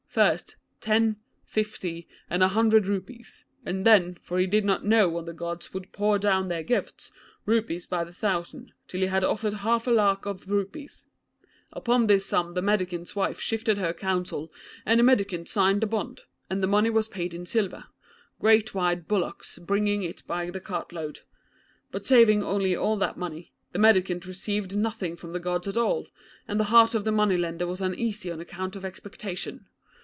First, ten, fifty, and a hundred rupees; and then, for he did not know when the Gods would pour down their gifts, rupees by the thousand, till he had offered half a lakh of rupees. Upon this sum the mendicant's wife shifted her counsel, and the mendicant signed the bond, and the money was paid in silver; great white bullocks bringing it by the cartload. But saving only all that money, the mendicant received nothing from the Gods at all, and the heart of the money lender was uneasy on account of expectation.